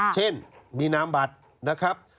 เช่นมีนามบัตรนะครับ